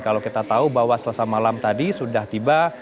kalau kita tahu bahwa selasa malam tadi sudah tiba